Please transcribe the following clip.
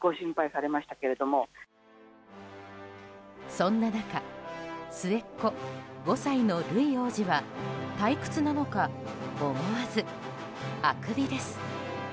そんな中末っ子、５歳のルイ王子は退屈なのか思わず、あくびです。